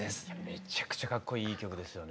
めちゃくちゃかっこいいいい曲ですよね。